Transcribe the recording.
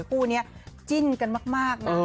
คู่นี้จิ้นกันมากนะ